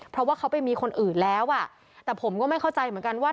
เพราะว่าเขาไปมีคนอื่นแล้วอ่ะแต่ผมก็ไม่เข้าใจเหมือนกันว่า